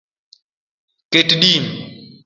Ket dim